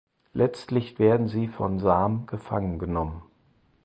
Letztlich werden sie von Sarm gefangen genommen.